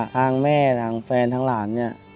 ทางแม่ทางแฟนทางหลานเนี่ย